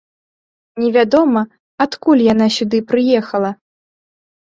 Невядома, адкуль яна сюды прыехала?